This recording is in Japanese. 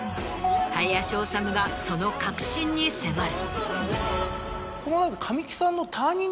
林修がその核心に迫る。